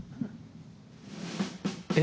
えっ。